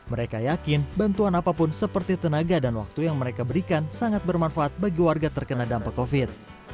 mereka yakin bantuan apapun seperti tenaga dan waktu yang mereka berikan sangat bermanfaat bagi warga terkena dampak covid